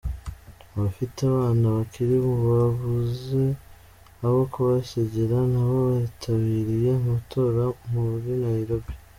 Abafite abana bakiri babuze abo kubasigira n’abo bitabiriye amatora muri Nairobi.